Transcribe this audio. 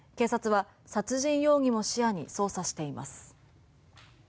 警察は殺人容疑も視野に捜査しています。